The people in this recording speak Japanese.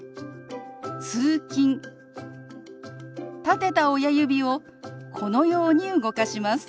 立てた親指をこのように動かします。